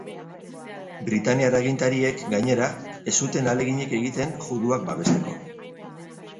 Britainiar agintariek, gainera, ez zuten ahaleginik egiten juduak babesteko.